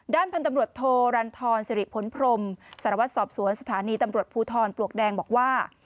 พันธุ์ตำรวจโทรันทรสิริพลพรมสารวัตรสอบสวนสถานีตำรวจภูทรปลวกแดงบอกว่า